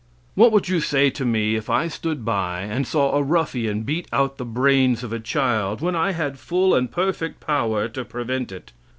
What would you say to me if I stood by and saw a ruffian beat out the brains of a child, when I had full and perfect power to prevent it?